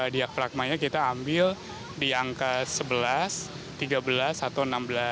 diagragmanya kita ambil di angka sebelas tiga belas atau enam belas